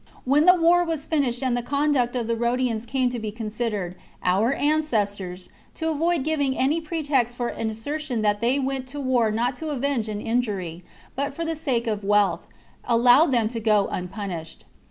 When the war was finished and the conduct of the Rhodians came to be considered, our ancestors, to avoid giving any pretext for an assertion that they went to war not to avenge an injury, but for the sake of wealth, allowed them to go unpunished.